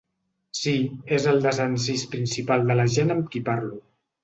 Sí, és el desencís principal de la gent amb qui parlo.